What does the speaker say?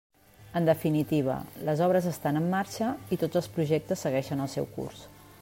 En definitiva, les obres estan en marxa i tots els projectes segueixen el seu curs.